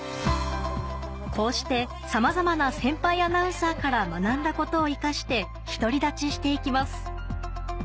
こうしてさまざまな先輩アナウンサーから学んだことを生かして独り立ちして行きます